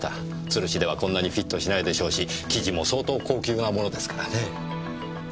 「つるし」ではこんなにフィットしないでしょうし生地も相当高級なものですからねえ。